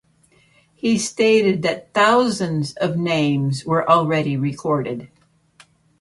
He stated that "thousands" of names were already recorded.